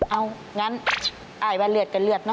เอ้างั้นอาหารเลือดเป็นเลือดเนอะ